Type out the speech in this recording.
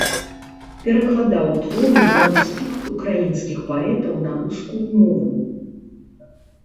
Перакладаў творы беларускіх, украінскіх паэтаў на рускую мову.